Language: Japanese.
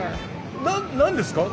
何ですか？